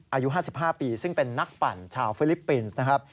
อายุ๕๕ปีซึ่งเป็นนักปั่นชาวฟิลิปปินส์นะครับ